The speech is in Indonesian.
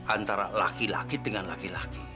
antara laki laki dengan laki laki